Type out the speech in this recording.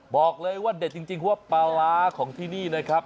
บอกเลยว่าเด็ดจริงว่าปลาร้าของที่นี่นะครับ